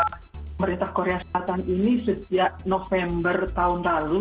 pemerintah korea selatan ini setiap november tahun lalu